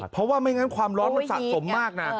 เพราะว่าไม่งั้นความร้อนมันสะสมมากนะ